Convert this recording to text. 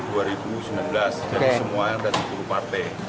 jadi semua yang dari sepuluh partai